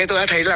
tôi đã thấy là